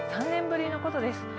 ３年ぶりのことです。